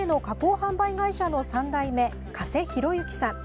販売会社の３代目加瀬宏行さん。